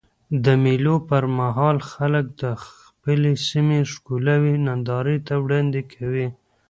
د مېلو پر مهال خلک د خپلي سیمي ښکلاوي نندارې ته وړاندي کوي.